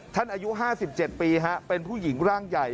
อายุ๕๗ปีเป็นผู้หญิงร่างใหญ่